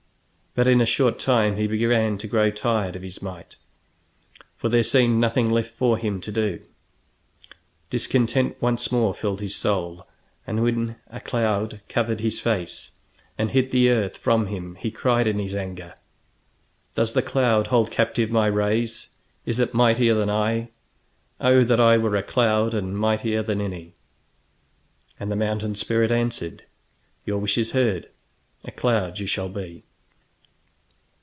But in a short time he began to grow tired of his might, for there seemed nothing left for him to do. Discontent once more filled his soul, and when a cloud covered his face, and hid the earth from him he cried in his anger: "Does the cloud hold captive my rays, and is it mightier than I? Oh, that I were a cloud, and mightier than any!" And the mountain spirit answered: "Your wish is heard; a cloud you shall be!"